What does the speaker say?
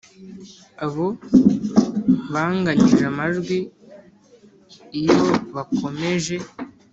abo banganyije amajwi Iyo bakomeje